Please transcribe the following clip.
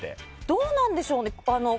どうなんでしょうね。